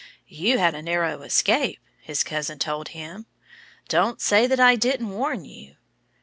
"You had a narrow escape," his cousin told him. "Don't say that I didn't warn you!"